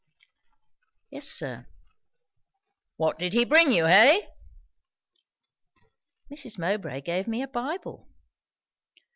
"Yes, sir." "What did he bring you, hey?" "Mrs. Mowbray gave me a Bible."